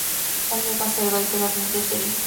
Él niega ser gay, pero admite ser infiel.